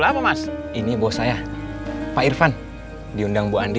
tak ada nasib sih k tego biar mau menjadi seorangnan di australia cuba air